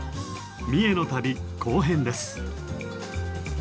三重の旅後編です。